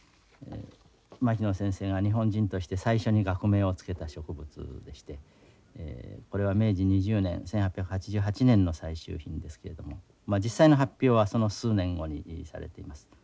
牧野先生が日本人として最初に学名を付けた植物でしてこれは明治２０年１８８８年の採集品ですけれどもまあ実際の発表はその数年後にされています。